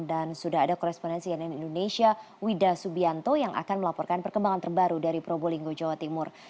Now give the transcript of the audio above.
dan sudah ada koresponensi yang di indonesia wida subianto yang akan melaporkan perkembangan terbaru dari probolinggo jawa timur